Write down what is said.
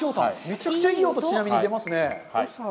めちゃくちゃいい音、ちなみに出ますね。